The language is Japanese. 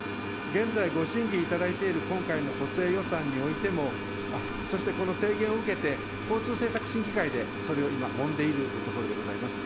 現在、ご審議いただいている今回の補正予算においても、そしてこの提言を受けて、交通政策審議会で、それを今、もんでいるところでございます。